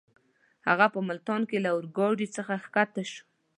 هغه په ملتان کې له اورګاډۍ څخه کښته شو.